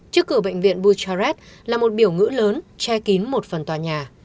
trước cửa bệnh viện boucharet là một biểu ngữ lớn che kín một phần tòa nhà